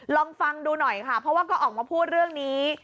ลองฟังดูหน่อยค่ะเพราะว่าก็ออกมาพูดเรื่องนี้